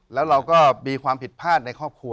แล้วเราก็มีความผิดพลาดในครอบครัว